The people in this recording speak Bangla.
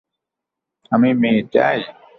আমি মেয়ে চাই?